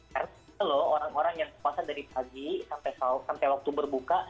karena kita loh orang orang yang puasa dari pagi sampai waktu berbuka